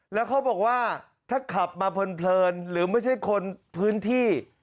แล้วเขาบอกว่าถ้าขับมาเพลินหรือไม่ใช่คนพื้นที่